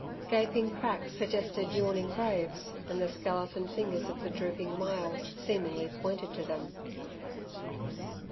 Gaping cracks suggested yawning graves, and the skeleton fingers of the drooping myalls seemingly pointed to them.